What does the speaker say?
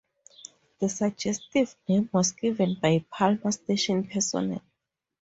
The suggestive name was given by Palmer Station personnel.